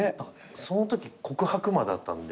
そのとき告白魔だったんで。